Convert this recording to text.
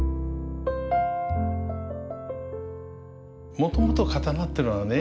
もともと刀ってのはね